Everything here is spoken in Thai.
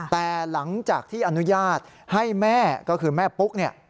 แต่หลังจากที่อนุญาตให้แม่ก็คือแม่ปุ๊กเนี่ย